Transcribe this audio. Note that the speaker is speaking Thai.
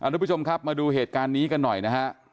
ทุกผู้ชมครับมาดูเหตุการณ์นี้กันหน่อยนะฮะ